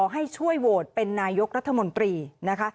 ให้ช่วยโหวตเป็นนายกรัฐมนตรีนะคะ